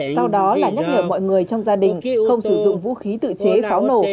sau đó là nhắc nhở mọi người trong gia đình không sử dụng vũ khí tự chế pháo nổ